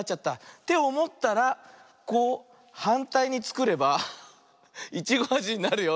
っておもったらこうはんたいにつくればイチゴあじになるよ。